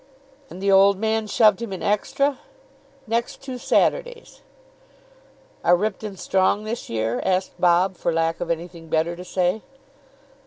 "And the Old Man shoved him in extra?" "Next two Saturdays." "Are Ripton strong this year?" asked Bob, for lack of anything better to say.